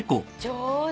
上手。